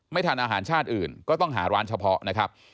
ทานอาหารชาติอื่นก็ต้องหาร้านเฉพาะนะครับ